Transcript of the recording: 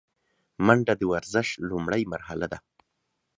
منډه د ورزش لومړۍ مرحله ده